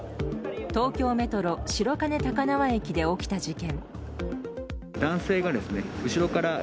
東京メトロ白金高輪駅で起きた事件。